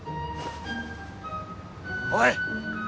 おい！